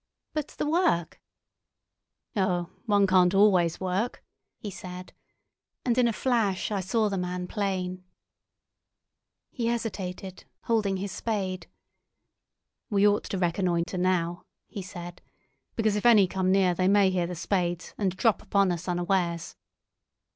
"But the work?" "Oh, one can't always work," he said, and in a flash I saw the man plain. He hesitated, holding his spade. "We ought to reconnoitre now," he said, "because if any come near they may hear the spades and drop upon us unawares."